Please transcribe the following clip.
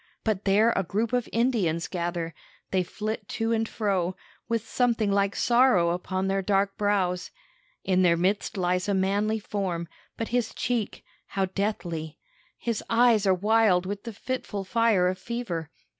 But there a group of Indians gather. They flit to and fro, with something like sorrow upon their dark brows. In their midst lies a manly form, but his cheek, how deathly! His eyes are wild with the fitful fire of fever.